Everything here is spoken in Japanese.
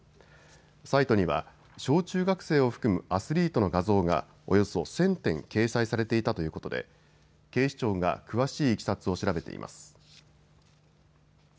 サイトには小中学生を含むアスリートの画像がおよそ１０００点掲載されていたということで警視庁が詳しいいきさつを調べています。